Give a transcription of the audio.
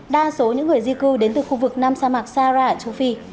đa số những người di cư đến từ khu vực nam sa mạc sarah ở châu phi